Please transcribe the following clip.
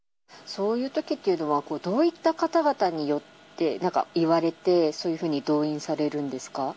そういうときっていうのは、どういった方々によって言われて、どういうふうに動員されるんですか。